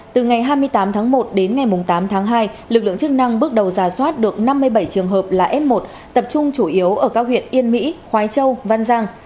từ ngày hai mươi tám tháng một đến ngày tám tháng hai lực lượng chức năng bước đầu giả soát được năm mươi bảy trường hợp là f một tập trung chủ yếu ở các huyện yên mỹ khoai châu văn giang